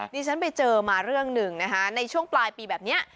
ดิฉันไปเจอมาเรื่องหนึ่งนะคะในช่วงปลายปีแบบนี้